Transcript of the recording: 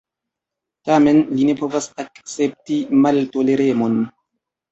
Tamen li ne povas akcepti maltoleremon.